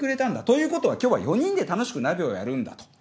ということは今日は４人で楽しく鍋をやるんだと。